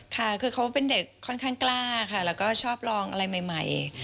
ค่ะคือเขาเป็นเด็กค่อนข้างกล้าค่ะแล้วก็ชอบลองอะไรใหม่